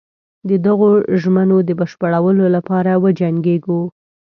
د دغو ژمنو د بشپړولو لپاره وجنګیږو.